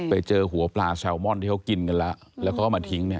ไปเจอหัวปลาแซลมอนที่เขากินกันแล้วแล้วเขาก็มาทิ้งเนี่ย